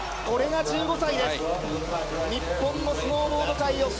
これが１５歳です。